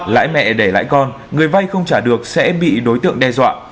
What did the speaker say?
lãi mẹ để lãi con người vay không trả được sẽ bị đối tượng đe dọa